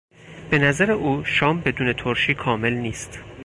به نظر او شام بدون ترشی کامل نیست.